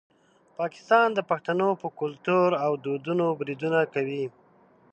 پاکستان د پښتنو په کلتور او دودونو بریدونه کوي.